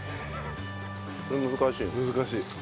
それ難しいね。